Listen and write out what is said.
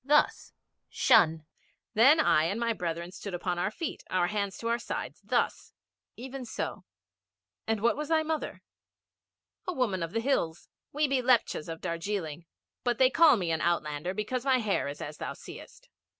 Thus "Shun." Then I and my brethren stood upon our feet, our hands to our sides. Thus.' 'Even so. And what was thy mother?' 'A woman of the hills. We be Lepchas of Darjeeling, but me they call an outlander because my hair is as thou seest.'